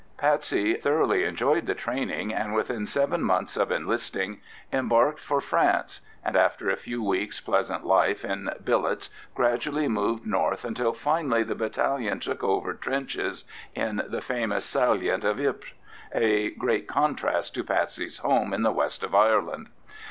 Patsey thoroughly enjoyed the training, and within seven months of enlisting embarked for France; and after a few weeks' pleasant life in billets, gradually moved north until finally the battalion took over trenches in the famous salient of Ypres—a great contrast to Patsey's home in the west of Ireland.